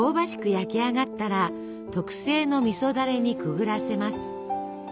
焼き上がったら特製のみそだれにくぐらせます。